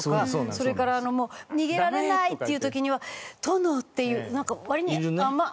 それからもう逃げられないっていう時には「殿！」っていう割に。